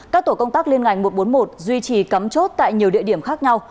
các tổ công tác liên ngành một trăm bốn mươi một duy trì cắm chốt tại nhiều địa điểm khác nhau